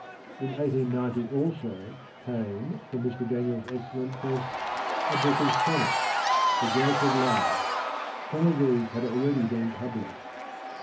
In 1890 also came, from Mr. Daniel's excellent press, a book of sonnets, The Growth of Love : some of these had already been published.